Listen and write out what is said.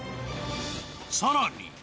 さらに。